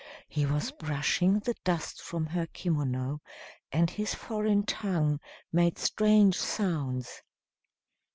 He was brushing the dust from her kimono, and his foreign tongue made strange sounds.